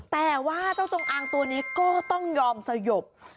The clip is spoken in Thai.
แต่ว่าเจ้าจงอางตัวนี้ก็ต้องยอมสยบ